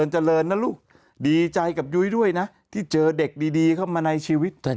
เจริญนะลูกดีใจกับยุ้ยด้วยนะที่เจอเด็กดีเข้ามาในชีวิตแต่